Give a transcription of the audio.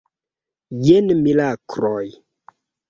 Jen mirakloj!